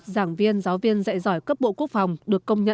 một nghìn ba mươi một giảng viên giáo viên dạy giỏi cấp bộ quốc phó